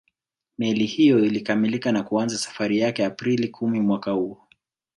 Meli hiyo ilikamilika na kuanza safari zake Aprili kumi mwaka huo